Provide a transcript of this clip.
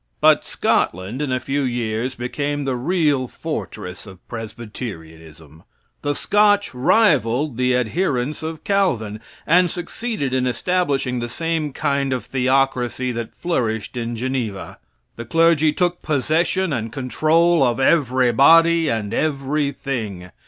But Scotland, in a few years, became the real fortress of Presbyterianism. The Scotch rivaled the adherents of Calvin, and succeeded in establishing the same kind of theocracy that flourished in Geneva. The clergy took possession and control of everybody and everything.